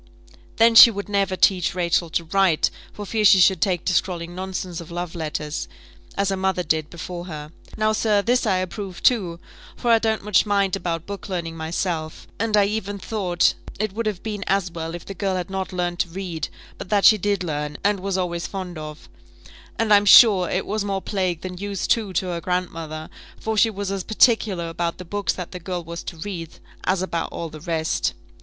Then she would never teach Rachel to write, for fear she should take to scrawling nonsense of love letters, as her mother did before her. Now, sir, this I approved too, for I don't much mind about book learning myself; and I even thought it would have been as well if the girl had not learnt to read; but that she did learn, and was always fond of, and I'm sure it was more plague than use too to her grandmother, for she was as particular about the books that the girl was to read as about all the rest.